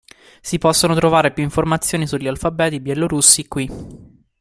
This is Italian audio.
Si possono trovare più informazioni sugli alfabeti bielorussi qui.